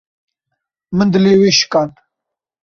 Min dilê wê şikand